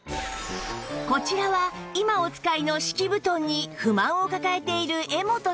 こちらは今お使いの敷き布団に不満を抱えている絵元さん